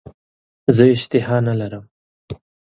زه اشتها نه لرم .